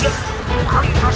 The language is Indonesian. ya benar saja